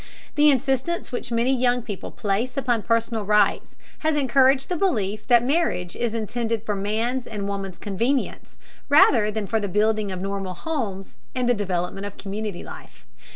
The insistence which many young people place upon personal rights has encouraged the belief that marriage is intended for man's and woman's convenience, rather than for the building of normal homes and the development of community life.